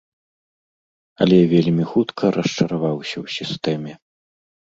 Але вельмі хутка расчараваўся ў сістэме.